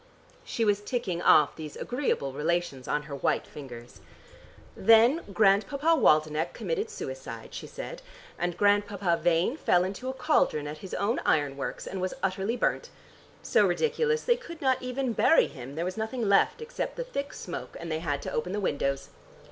She was ticking off these agreeable relations on her white fingers. "Then Grandpapa Waldenech committed suicide," she said, "and Grandpapa Vane fell into a cauldron at his own iron works and was utterly burnt. So ridiculous; they could not even bury him, there was nothing left, except the thick smoke, and they had to open the windows.